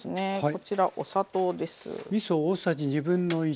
こちらお砂糖です。